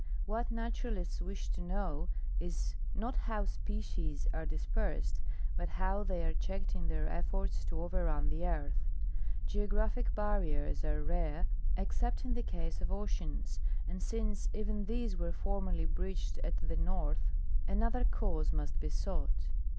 What naturalists wish to know is not how species are dispersed, but how they are checked in their efforts to over run the earth. Geographic barriers are rare, except in the case of oceans, and since even these were formerly bridged at the north, another cause must be sought.